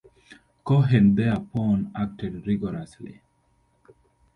Cohen thereupon acted rigorously.